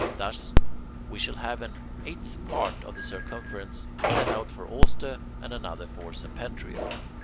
Thus we shall have an eighth part of the circumference set out for Auster and another for Septentrio.